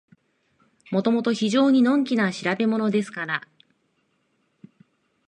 もともと非常にのんきな調べものですから、